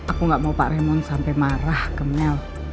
aku gak mau pak remon sampai marah ke mel